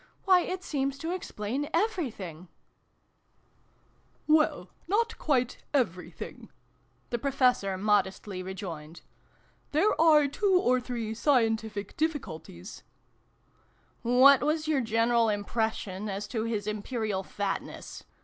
Why, it seems to explain everything!" c c 386 SYLVIE AND BRUNO CONCLUDED. " Well, not quite everything, " the Professor modestly rejoined. " There are two or three scientific difficulties " What was your general impression as to His Imperial Fatness